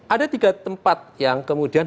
ada tiga tempat yang kemudian